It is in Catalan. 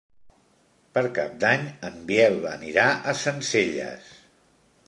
Per Cap d'Any en Biel anirà a Sencelles.